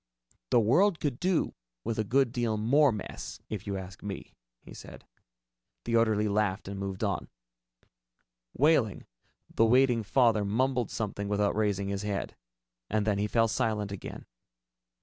"The world could do with a good deal more mess, if you ask me," he said. The orderly laughed and moved on. Wehling, the waiting father, mumbled something without raising his head. And then he fell silent again.